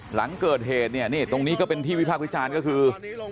หลังเกิดเหตุเนี่ยนี่ตรงนี้ก็เป็นที่วิพากษ์วิจารณ์ก็คือ